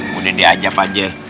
mudah diajab aja